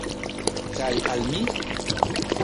Kaj al mi.